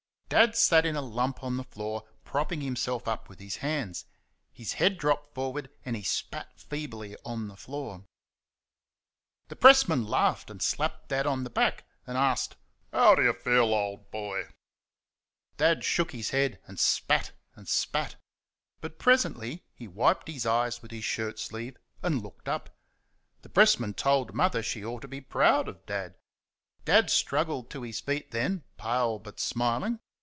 Dad sat in a lump on the floor propping himself up with his hands; his head dropped forward, and he spat feebly on the floor. The pressman laughed and slapped Dad on the back, and asked "How do you feel, old boy?" Dad shook his head and spat and spat. But presently he wiped his eyes with his shirt sleeve and looked up. The pressman told Mother she ought to be proud of Dad. Dad struggled to his feet then, pale but smiling.